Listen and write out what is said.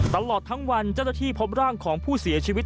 ตลอดทั้งวันเจ้าหน้าที่พบร่างของผู้เสียชีวิต